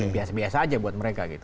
bias bias aja buat mereka gitu